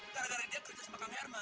karena karena dia kerja sama kang herman